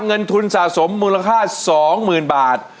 เงินทุนสะสมมูลค่าสองหมื่นบาท